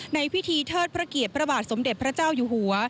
ในพิธีเทิดพระเกียรติพระบาทสมเด็จพระเจ้าอยู่หัว